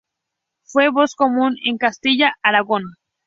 Fue voz común en Castilla, Aragón.